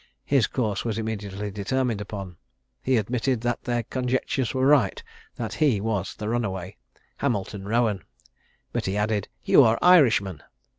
His course was immediately determined upon; he admitted that their conjectures were right that he was the runaway, Hamilton Rowan; but he added, "You are Irishmen."